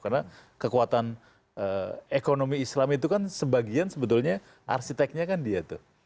karena kekuatan ekonomi islam itu kan sebagian sebetulnya arsiteknya kan dia tuh